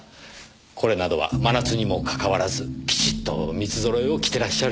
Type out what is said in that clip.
これなどは真夏にもかかわらずきちっと三つ揃えを着てらっしゃる。